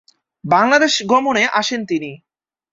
বাংলাদেশ গমনে আসেন তিনি।